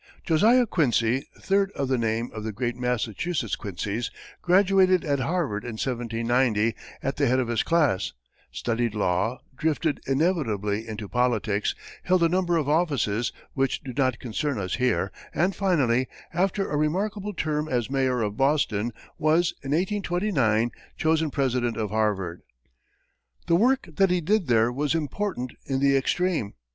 Josiah Quincy, third of the name of the great Massachusetts Quincys, graduated at Harvard in 1790 at the head of his class, studied law, drifted inevitably into politics, held a number of offices, which do not concern us here, and finally, after a remarkable term as mayor of Boston, was, in 1829, chosen president of Harvard. The work that he did there was important in the extreme.